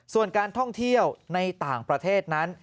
ส่วนการท่องเที่ยวในต่างประเทศนั้น